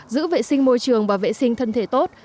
giữ vệ sinh môi trường và vệ sinh thân thể tốt